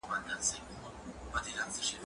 زه اجازه لرم چي کتاب واخلم!.